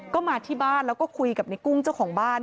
ก็มาที่บ้านแล้วก็คุยกับในกุ้งเจ้าของบ้าน